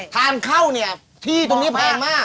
ทานเข้าเนี่ยที่ตรงนี้แพงมาก